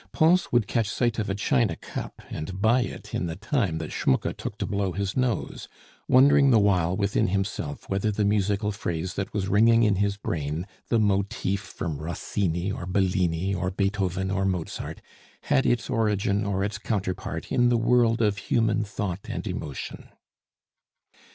Pons would catch sight of a china cup and buy it in the time that Schmucke took to blow his nose, wondering the while within himself whether the musical phrase that was ringing in his brain the motif from Rossini or Bellini or Beethoven or Mozart had its origin or its counterpart in the world of human thought and emotion.